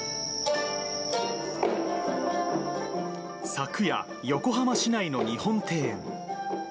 昨夜、横浜市内の日本庭園。